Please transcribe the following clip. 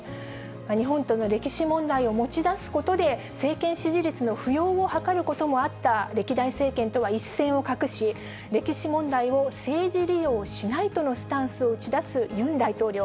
日本との歴史問題を持ち出すことで、政権支持率の浮揚を図ることもあった歴代政権とは一線を画し、歴史問題を政治利用しないとのスタンスを打ち出すユン大統領。